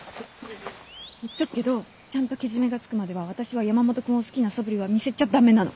言っとくけどちゃんとけじめがつくまでは私は山本君を好きなそぶりは見せちゃ駄目なの！